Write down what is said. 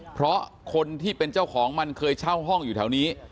เพราะคนที่เป็นเจ้าของมันเคยเช่าห้องอยู่แถวนี้